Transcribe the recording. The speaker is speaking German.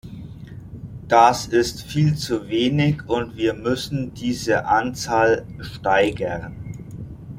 Das ist viel zu wenig, und wir müssen diese Anzahl steigern.